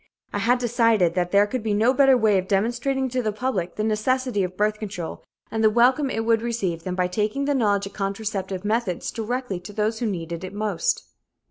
I had decided that there could be no better way of demonstrating to the public the necessity of birth control and the welcome it would receive than by taking the knowledge of contraceptive methods directly to those who most needed it.